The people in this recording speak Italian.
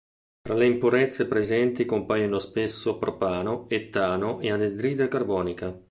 Tra le impurezze presenti compaiono spesso propano, etano e anidride carbonica.